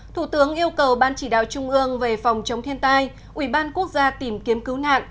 thủ tướng yêu cầu ban chỉ đạo trung ương về phòng chống thiên tai ủy ban quốc gia tìm kiếm cứu nạn